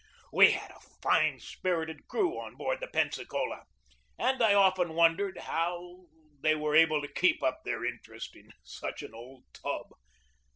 We had a fine spirited crew on board the Pensacola, and I often wondered how they were able to keep up their interest in such an old tub.